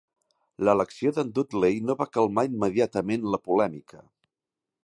L'elecció d"en Dudley no va calmar immediatament la polèmica.